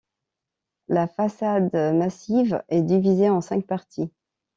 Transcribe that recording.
La façade massive est divisée en cinq parties.